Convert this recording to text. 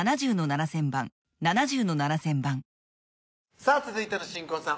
さぁ続いての新婚さん